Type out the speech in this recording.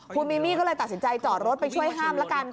คุณมีมี่ก็เลยตัดสินใจจอดรถไปช่วยห้ามละกัน